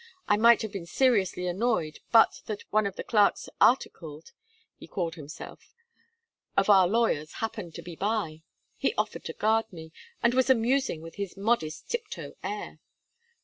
I might have been seriously annoyed but that one of the clerks "articled," he called himself of our lawyers happened to be by. He offered to guard me, and was amusing with his modest tiptoe air.